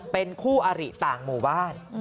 เป็นคู่อริต่างหมู่บ้าน